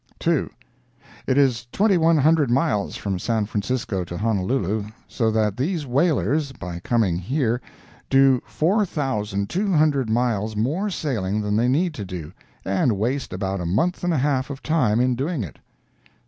2. It is twenty one hundred miles from San Francisco to Honolulu—so that these whalers, by coming here, do four thousand two hundred miles more sailing than they need to do, and waste about a month and a half of time in doing it.